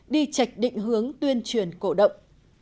đi chạch định hướng tuyên truyền cổ động